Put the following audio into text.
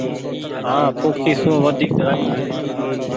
هآنٚ پوکي سون وديڪ رآئي ڇي